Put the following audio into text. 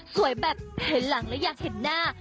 แบบเห็นหลังและอยากเห็นหน้า